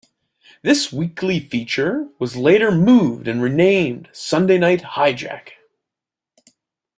This weekly feature was later moved and renamed Sunday Night Hijack.